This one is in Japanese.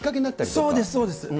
そうです、そうです。